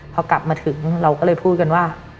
พอกลับมาถึงเราก็เลยพูดกันว่า